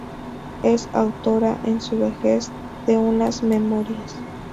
Es autora en su vejez de unas memorias.